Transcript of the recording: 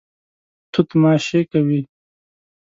توت ماشې کوي.